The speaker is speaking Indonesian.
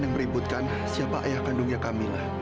yang meributkan siapa ayah kandungnya kamilah